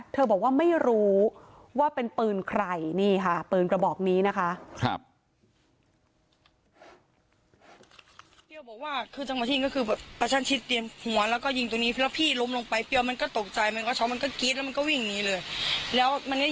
บอกว่าไม่รู้ว่าเป็นปืนใครนี่ค่ะปืนกระบอกนี้นะคะ